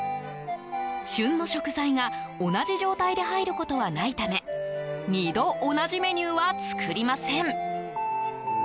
旬の食材が同じ状態で入ることはないため二度同じメニューは作りません。